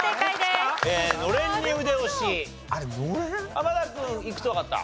濱田君いくつわかった？